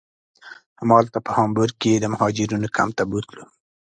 همالته په هامبورګ کې یې د مهاجرینو کمپ ته بوتلو.